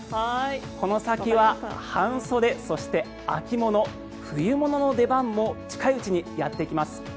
この先は半袖そして秋物、冬物の出番も近いうちにやってきます。